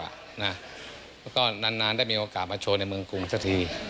แล้วก็นานได้มีโอกาสมาโชว์ในเมืองกรุงสักที